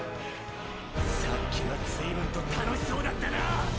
先は随分と楽しそうだったな。